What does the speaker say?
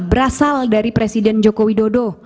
berasal dari presiden joko widodo